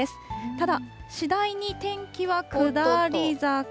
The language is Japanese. ただ、次第に天気は下り坂。